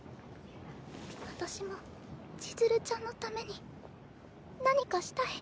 私も千鶴ちゃんのために何かしたい。